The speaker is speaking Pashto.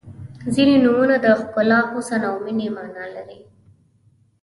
• ځینې نومونه د ښکلا، حسن او مینې معنا لري.